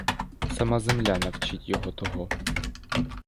Сама земля навчить його того.